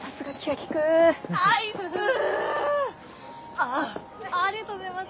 ありがとうございます。